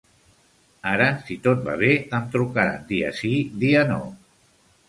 Ara si tot va bé, em trucaran dia sí, dia no.